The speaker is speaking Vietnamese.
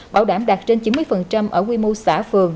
bảo đảm đạt trên chín mươi ở quy mô xã phường